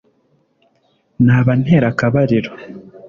Naba ntera akabariro